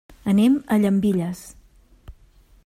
Anem a Llambilles.